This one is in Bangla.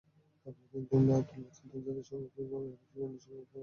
কিন্তু আবদুল মতিন তো জাতির সঙ্গে কিংবা মেহনতি জনগণের সঙ্গে কখনোই বেইমানি করেননি।